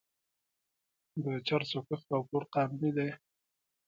د چرسو کښت او پلور قانوني دی.